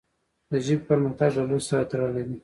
د ژبې پرمختګ له لوست سره تړلی دی.